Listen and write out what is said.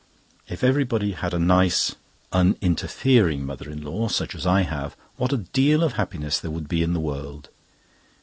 If everybody had a nice, _un_interfering mother in law, such as I have, what a deal of happiness there would be in the world.